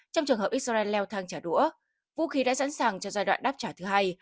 trong trường hợp israel leo thang trả đũa vũ khí đã sẵn sàng cho giai đoạn đáp trả thứ hai